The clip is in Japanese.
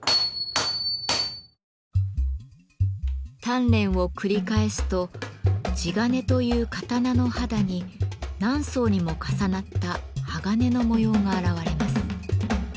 鍛錬を繰り返すと「地鉄」という刀の肌に何層にも重なった鋼の模様が現れます。